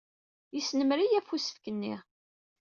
Yesnemmer-iyi ɣef usefk-nni.